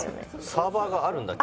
サーバーがあるんだっけ？